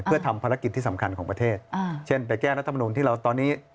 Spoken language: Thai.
เพื่อทำภารกิจที่สำคัญของประเทศเช่นไปแก้รัฐมนุนที่เราตอนนี้